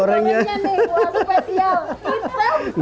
sama gorengnya nih buat spesial